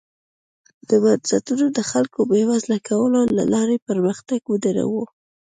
دا بنسټونه د خلکو بېوزله کولو له لارې پرمختګ ودروي.